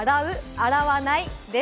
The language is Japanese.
洗わない？です。